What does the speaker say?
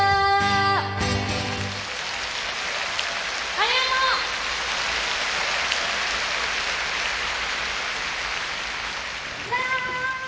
ありがとう！わあ！